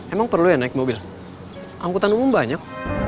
emang perlu ya naik mobil angkutan umum banyak